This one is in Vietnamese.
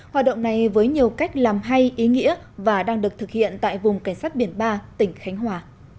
hoạt động này với nhiều cách làm hay ý nghĩa và đang được thực hiện tại vùng cảnh sát biển ba tỉnh khánh hòa